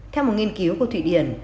theo một nghiên cứu của thụy điển